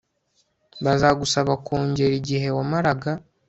bazagusaba kongera igihe wamaraga